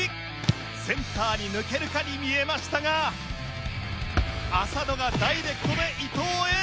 センターに抜けるかに見えましたが浅野がダイレクトで伊藤へ。